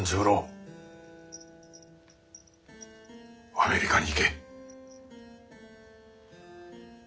アメリカに行け。